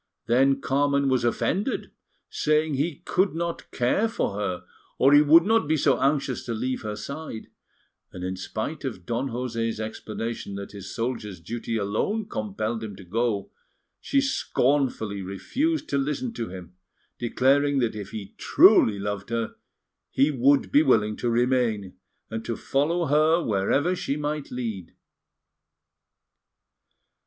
Then Carmen was offended, saying he could not care for her or he would not be so anxious to leave her side; and in spite of Don José's explanation that his soldier's duty alone compelled him to go, she scornfully refused to listen to him, declaring that if he truly loved her he would be willing to remain, and to follow her wherever she might lead.